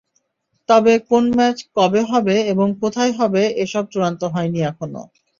তবে কোন ম্যাচ কবে হবে এবং কোথায় হবে, এসব চূড়ান্ত হয়নি এখনো।